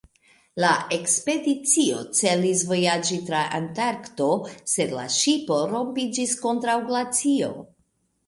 La ekspedicio celis vojaĝi tra Antarkto, sed la ŝipo rompiĝis kontraŭ glacio.